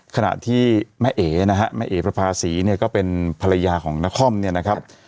ขณะที่แม่เอ๋นะฮะแม่เอ๋ประภาษีเนี่ยก็เป็นภรรยาของนครเนี่ยนะครับ